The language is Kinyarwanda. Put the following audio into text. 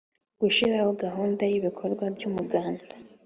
Gushyiraho gahunda y ibikorwa by’umuganda